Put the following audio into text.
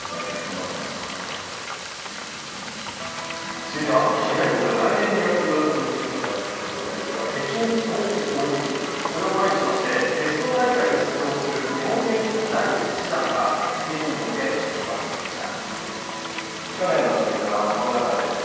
続いては早いもので、来年２月オリンピックがやってくるわけですが北京冬季オリンピック、これを前にしましてテスト大会に出場する日本選手の第１弾が北京に向け出発しました。